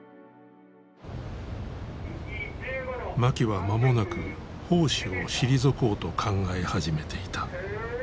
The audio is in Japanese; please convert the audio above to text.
槇は間もなく砲手を退こうと考え始めていた。